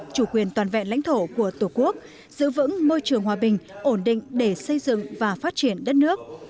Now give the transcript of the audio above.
chủ quyền toàn vẹn lãnh thổ của tổ quốc giữ vững môi trường hòa bình ổn định để xây dựng và phát triển đất nước